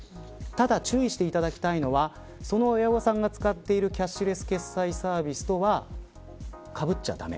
ただ、注意していただきたいのはその親御さんが使っているキャッシュレス決済サービスとはかぶっちゃ駄目。